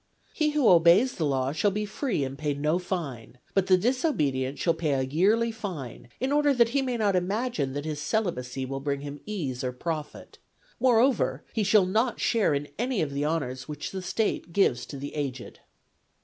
He who obeys the law shall be free and pay no fine ; but the disobedient shall pay a yearly fine, in order that he may not imagine that his celibacy will bring him ease or profit : moreover, he shall not share in any of the honours which the State gives to the aged.